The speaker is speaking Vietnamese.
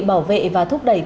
bảo vệ và thúc đẩy quyền